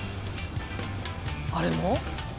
あれも？